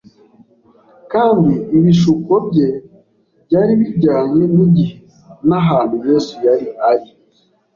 kandi ibishuko bye byari bijyanye n’igihe n’ahantu Yesu yari ari,